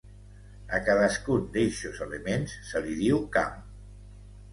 A cadascun d'eixos elements se li diu camp.